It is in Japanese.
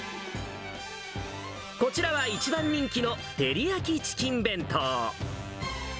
こちらは一番人気の照り焼きチキン弁当。